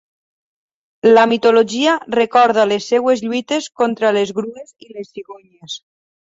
La mitologia recorda les seues lluites contra les grues i les cigonyes.